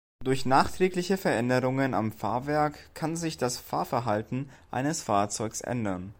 Durch nachträgliche Veränderungen am Fahrwerk kann sich das Fahrverhalten eines Fahrzeugs ändern.